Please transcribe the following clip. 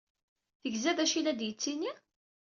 Tegza d acu ay la d-yettini?